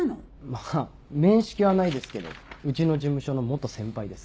まぁ面識はないですけどうちの事務所の先輩です。